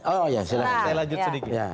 oh ya silahkan saya lanjut sedikit